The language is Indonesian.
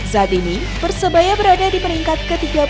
saat ini persebaya berada di peringkat ke tiga belas